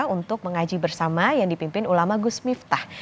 untuk mengaji bersama yang dipimpin ulama gus miftah